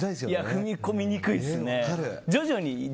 踏み込みにくいですね。